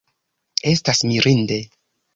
Estas mirinde.